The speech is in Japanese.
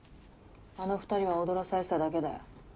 あの二人は踊らされてただけだよ。